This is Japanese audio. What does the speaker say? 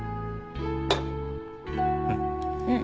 うん。